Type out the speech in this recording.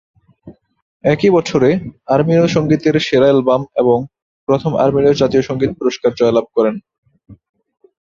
একই বছরে, আর্মেনীয় সঙ্গীতের সেরা অ্যালবাম এবং প্রথম আর্মেনীয় জাতীয় সঙ্গীত পুরস্কার জয়লাভ করেন।